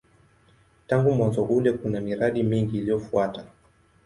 Tangu mwanzo ule kuna miradi mingi iliyofuata.